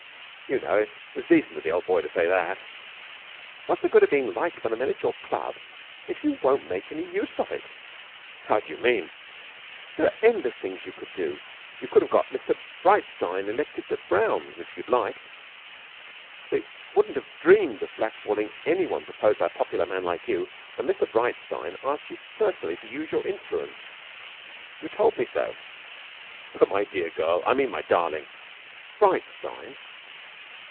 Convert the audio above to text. You know, it was decent of the old boy to say that.' 'What is the good of being liked by the men in your club if you won't make any use of it?' 'How do you mean?' 'There are endless things you could do. You could have got Mr Breitstein elected at Brown's if you had liked. They wouldn't have dreamed of blackballing any one proposed by a popular man like you, and Mr Breitstein asked you personally to use your influence you told me so.' 'But, my dear girl I mean my darling Breitstein!